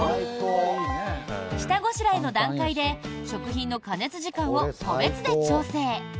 下ごしらえの段階で食品の加熱時間を個別で調整。